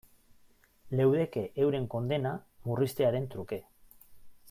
Leudeke euren kondena murriztearen truke.